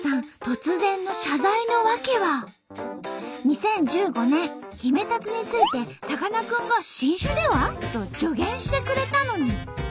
突然の謝罪の訳は２０１５年ヒメタツについてさかなクンが「新種では？」と助言してくれたのに。